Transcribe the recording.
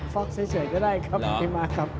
ฟ็อกเฉยก็ได้ครับพี่มาครับ